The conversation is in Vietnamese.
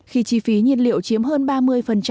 khi chi phí nhiên liệu chiếm hơn ba mươi